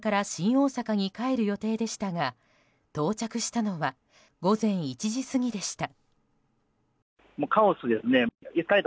大阪に帰る予定でしたが到着したのは午前１時過ぎでした。